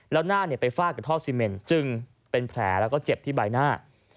แล้วหน้าไปฟาดกับท่อซีเมนจึงเป็นแผลแล้วก็เจ็บที่ใบหน้า